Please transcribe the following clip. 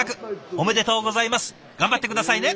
おめでとうございます頑張って下さいね。